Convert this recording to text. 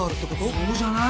そうじゃない？